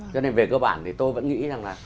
cho nên về cơ bản thì tôi vẫn nghĩ rằng là